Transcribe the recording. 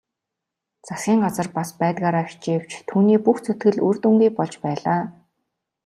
Засгийн газар бас байдгаараа хичээвч түүний бүх зүтгэл үр дүнгүй болж байлаа.